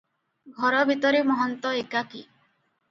ଘର ଭିତରେ ମହନ୍ତ ଏକାକୀ ।